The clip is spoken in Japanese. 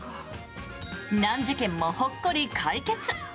難事件もほっこり解決！